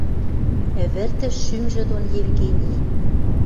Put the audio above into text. Ӹвӹртӹш шӱмжӹ дон Евгений.